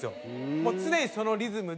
もう常にそのリズムで。